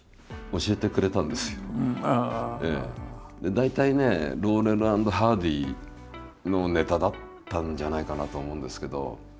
大体ねローレル＆ハーディーのネタだったんじゃないかなと思うんですけど。